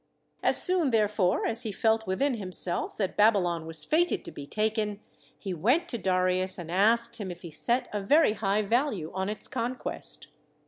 As soon therefore as he felt within himself that Babylon was fated to be taken, he went to Darius and asked him if he set a very high value on its con quest.